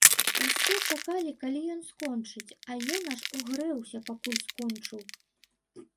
Усе чакалі, калі ён скончыць, а ён аж угрэўся, пакуль скончыў.